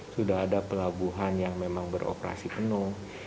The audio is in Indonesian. sudah ada pelabuhan yang memang beroperasi penuh